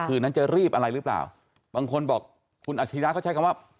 คืนนั้นจะรีบอะไรหรือเปล่าบางคนบอกคุณอาชิระเขาใช้คำว่า